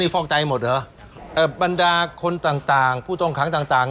อ๋อนี่ฟอกไตหมดเหรออ่าบรรดาคนต่างต่างผู้ต้องขังต่างต่าง